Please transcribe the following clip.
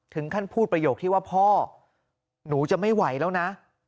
ท่านพูดประโยคที่ว่าพ่อหนูจะไม่ไหวแล้วนะ